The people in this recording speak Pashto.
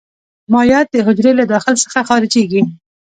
مایعات د حجرې له داخل څخه خارجيږي.